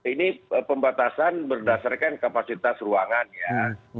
ini pembatasan berdasarkan kapasitas ruangan ya